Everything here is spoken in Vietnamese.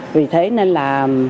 vì thế nên là